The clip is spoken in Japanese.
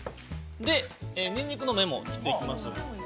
◆で、ニンニクの芽も切っていきます。